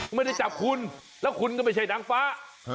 ไม่ได้จับคุณแล้วคุณก็ไม่ใช่นางฟ้า